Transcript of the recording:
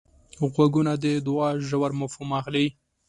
غوږونه د دوعا ژور مفهوم اخلي